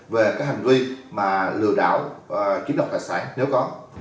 về các hành vi mà lừa đảo kiếm đọc tài sản nếu có